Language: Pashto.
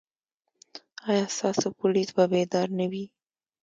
ایا ستاسو پولیس به بیدار نه وي؟